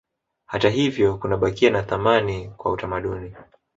Hata hivyo kunabakia na thamani kwa utamaduni